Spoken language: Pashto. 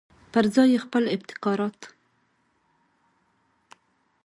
پرځای یې خپل ابتکارات.